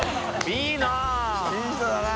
いい人だな。